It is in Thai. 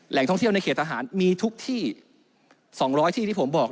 ท่องเที่ยวในเขตทหารมีทุกที่๒๐๐ที่ที่ผมบอก